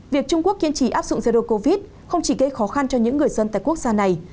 việc trung quốc kiên trì áp dụng zero covid không chỉ gây khó khăn cho những người dân tại quốc gia này